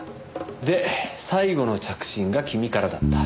で最後の着信が君からだった。